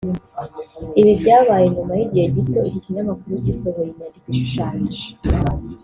Ibi byabaye nyuma y’igihe gito iki kinyamakuru gisohoye inyandiko ishushanyije